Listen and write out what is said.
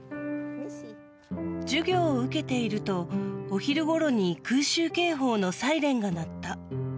授業を受けているとお昼頃に空襲警報のサイレンが鳴った。